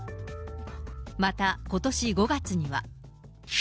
またことし５月には。